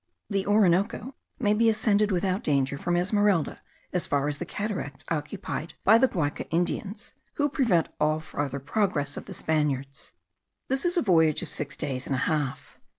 The Orinoco may be ascended without danger from Esmeralda as far as the cataracts occupied by the Guaica Indians, who prevent all farther progress of the Spaniards. This is a voyage of six days and a half.